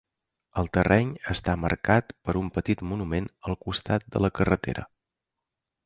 El terreny està marcat per un petit monument al costat de la carretera.